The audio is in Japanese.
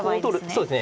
そうですね。